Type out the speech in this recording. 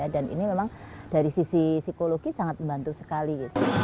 dan ini memang dari sisi psikologi sangat membantu sekali